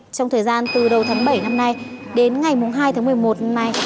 trong thời gian từ đầu tháng bảy năm nay đến ngày hai tháng một mươi một năm nay